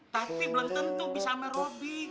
tapi belum tentu bisa sama robi